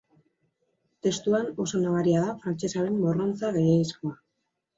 Testuan oso nabaria da frantsesaren morrontza gehiegizkoa.